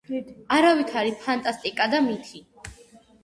არავითარი ფანტასტიკა და მითი.